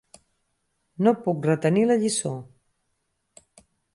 No puc retenir la lliçó.